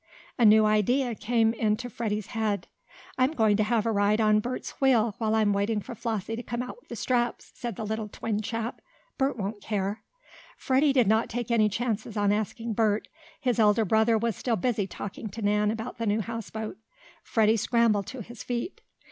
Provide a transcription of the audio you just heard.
A new idea came into Freddie's head. "I'm going to have a ride on Bert's wheel, while I'm waiting for Flossie to come out with the straps," said the little twin chap. "Bert won't care." Freddie did not take any chances on asking Bert. His elder brother was still busy talking to Nan about the new houseboat. Freddie scrambled to his feet.